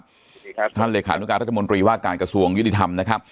สวัสดีครับท่านเลยค่ะต้องการท่านมนตรีว่าการกระทรวงยุริธรรมนะครับ